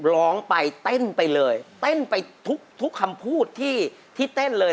ร้องไปเต้นไปเลยเต้นไปทุกคำพูดที่เต้นเลย